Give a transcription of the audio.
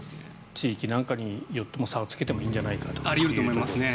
地域なんかによっても差をつけてもいいんじゃないかということですね。